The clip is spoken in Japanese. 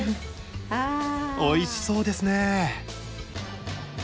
おいしそうですね。